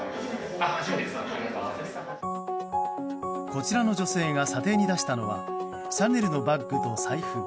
こちらの女性が査定に出したのはシャネルのバッグと財布。